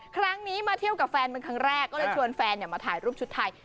ครั้งนี้มาเที่ยวกับแฟนเป็นครั้งแรกก็เลยชวนแฟนมาถ่ายรูปชุดไทย